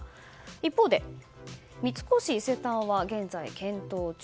一方で三越伊勢丹は現在検討中。